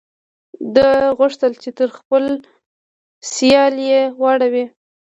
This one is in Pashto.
ده غوښتل چې تر خپل سیال یې واړوي.